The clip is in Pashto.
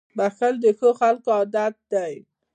• بښل د ښو خلکو عادت دی.